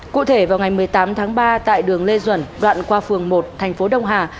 cụ thể vào ngày một mươi tám tháng ba tại đường lê duẩn đoạn qua phường một thành phố đông hà